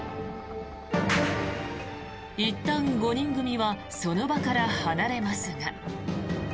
いったん５人組はその場から離れますが。